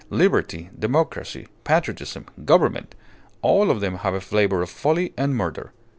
Liberty, democracy, patriotism, government all of them have a flavour of folly and murder.